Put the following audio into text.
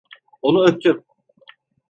Onu öptüm.